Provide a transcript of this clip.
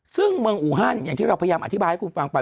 ซึ่งเมืองอูฮันอย่างที่เราพยายามอธิบายให้คุณฟังไป